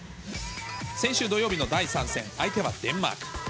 先週土曜日の第３戦、相手はデンマーク。